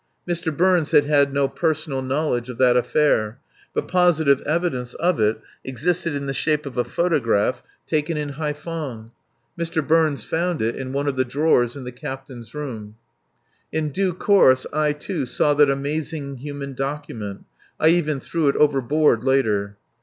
Mr. Burns had had no personal knowledge of that affair, but positive evidence of it existed in the shape of a photograph taken in Haiphong. Mr. Burns found it in one of the drawers in the captain's room. In due course I, too, saw that amazing human document (I even threw it overboard later).